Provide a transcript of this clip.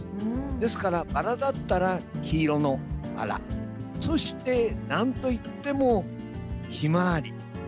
ですからバラだったら黄色のバラそしてなんといってもヒマワリ。